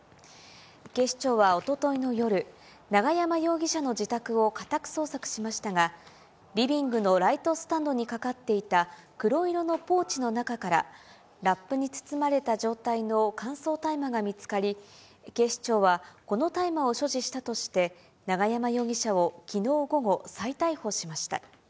警視庁はおとといの夜、永山容疑者の自宅を家宅捜索しましたが、リビングのライトスタンドにかかっていた黒色のポーチの中から、ラップに包まれた状態の乾燥大麻が見つかり、警視庁はこの大麻を所持したとして、永山容疑者をきのう午後、再逮捕しました。